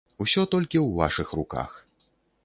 Усё толькі ў вашых руках!